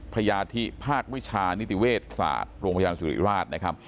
พยาธิภาควิชานิติเวชศาสตร์โรงพยาบาลสุริราชนะครับ